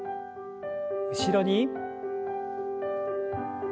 後ろに。